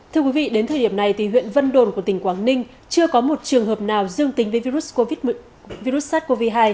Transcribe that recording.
thưa quý vị đến thời điểm này thì huyện vân đồn của tỉnh quảng ninh chưa có một trường hợp nào dương tính với virus covid hai